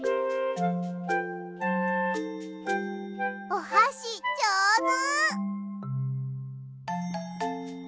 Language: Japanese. おはしじょうず！